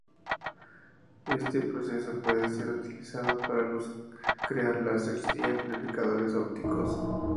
Este proceso puede ser utilizado para crear láseres y amplificadores ópticos.